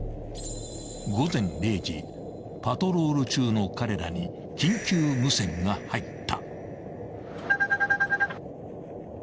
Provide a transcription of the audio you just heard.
［パトロール中の彼らに緊急無線が入った］